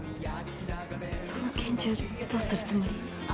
その拳銃どうするつもり？